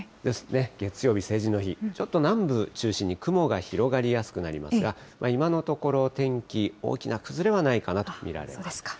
ですね、月曜日、成人の日、ちょっと南部中心に、雲が広がりやすくなりますが、今のところ、天気、大きな崩れはないかなと見られます。